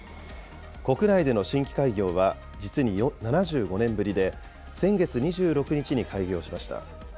国内での新規開業は実に７５年ぶりで、先月２６日に開業しました。